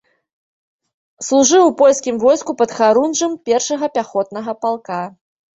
Служыў у польскім войску падхарунжым першага пяхотнага палка.